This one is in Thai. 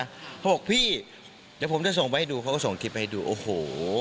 เขาบอกพี่เดี๋ยวผมจะส่งไว้ให้ดูเขาก็ส่งคลิปให้ดูโอ้โห